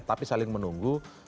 tapi saling menunggu